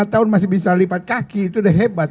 dua tahun masih bisa lipat kaki itu udah hebat